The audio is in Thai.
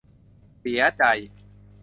เสียใจ